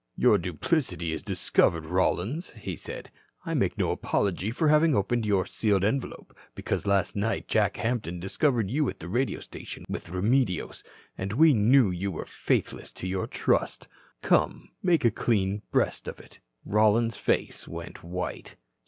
"Your duplicity is discovered, Rollins," he said. "I make no apology for having opened your sealed envelope, because last night Jack Hampton discovered you at the radio station with Remedios, and we knew you were faithless to your trust. Come, make a clean breast of it." Rollins's face went white.